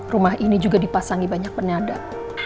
rumah ini juga dipasangi banyak penyadap